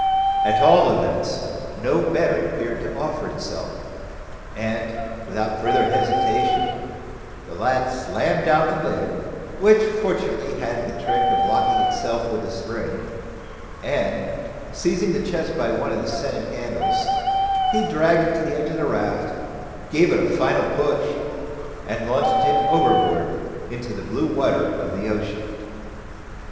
At all events, no better appeared to offer itself; and, without further hesitation, the lad slammed down the lid, which fortunately had the trick of locking itself with a spring, and, seizing the chest by one of the sennit handles, he dragged it to the edge of the raft, gave it a final push, and launched it overboard into the blue water of the ocean.